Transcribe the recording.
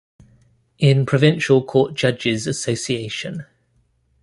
In Provincial Court Judges' Assn.